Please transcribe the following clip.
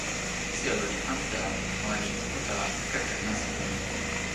sijelo li ante la, ona li utala kepeken nasin ni.